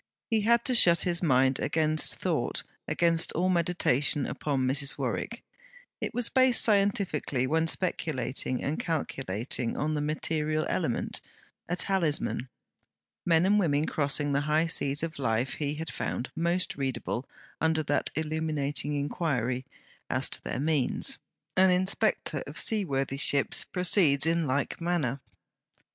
He had to shut his mind against thought, against all meditation upon Mrs. Warwick; it was based scientifically when speculating and calculating, on the material element a talisman. Men and women crossing the high seas of life he had found most readable under that illuminating inquiry, as to their means. An inspector of sea worthy ships proceeds in like manner.